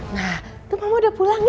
nah tuh mama udah pulang